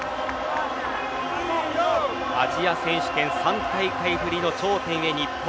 アジア選手権３大会ぶりの頂点へ日本。